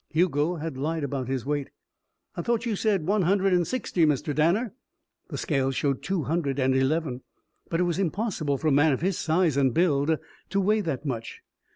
Hugo had lied about his weight. "I thought you said one hundred and sixty, Mr. Danner?" The scales showed two hundred and eleven, but it was impossible for a man of his size and build to weigh that much.